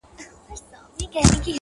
د دې مزدور كور كې بچي نهر د درې ورځو وو